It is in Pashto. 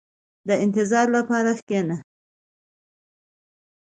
• د انتظار لپاره کښېنه.